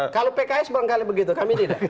kalau pks barangkali begitu kami tidak